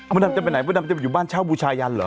มดับจะไปไหนมดับจะอยู่บ้านเช่าบูชายันหรือ